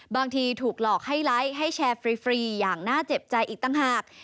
ถูกหลอกให้ไลค์ให้แชร์ฟรีอย่างน่าเจ็บใจอีกต่างหาก